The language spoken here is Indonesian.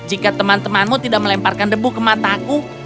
jika teman temanmu tidak melemparkan debu ke mataku